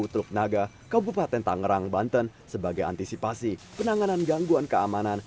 teluk naga kabupaten tangerang banten sebagai antisipasi penanganan gangguan keamanan